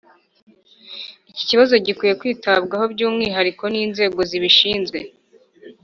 Iki kibazo gikwiye kwitabwaho by umwihariko n inzego zibishinzwe